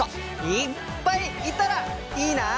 いっぱいいたらいいな！